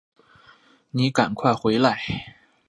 妳赶快回来